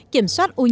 kiểm soát ô nhiễm